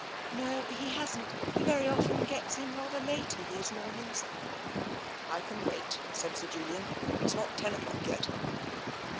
" No, he hasn't. He very often gets in rather later these mornings." " I can wait," said Sir Julian. " It's not ten o'clock yet."